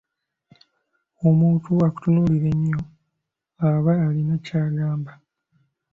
Omuntu akutunuulira ennyo aba alina kyakugamba.